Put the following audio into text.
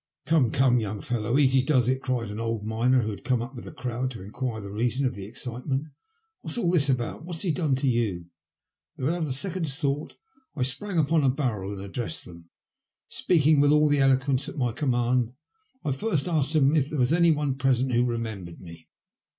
" Come, come, young fellow, easy does it," cried an old miner, who had come up with the crowd to enquire the reason of the excitement. *' What's all this about ? What has he done to you ?" Without a second's thought I sprang upon a barrel and addressed them. Speaking with all the eloquence at my command, I first asked them if there was any one present who remembered me.